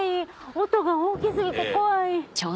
音が大き過ぎて怖い。